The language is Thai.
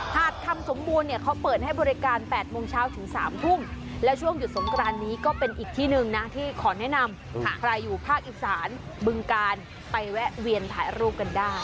คำสมบูรณ์เนี่ยเขาเปิดให้บริการ๘โมงเช้าถึง๓ทุ่มและช่วงหยุดสงกรานนี้ก็เป็นอีกที่หนึ่งนะที่ขอแนะนำใครอยู่ภาคอีสานบึงกาลไปแวะเวียนถ่ายรูปกันได้